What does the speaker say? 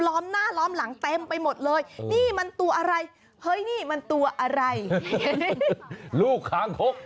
ล้อมหน้าล้อมหลังเต็มไปหมดเลยนี่มันตัวอะไรเฮ้ยนี่มันตัวอะไรลูกคางคก